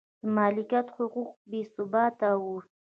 د مالکیت حقوق بې ثباته و